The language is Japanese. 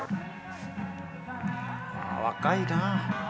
若いな。